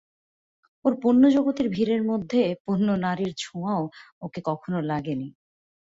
ওর পণ্যজগতের ভিড়ের মধ্যে পণ্য-নারীর ছোঁওয়াও ওকে কখনো লাগে নি।